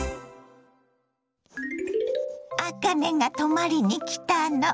あかねが泊まりに来たの。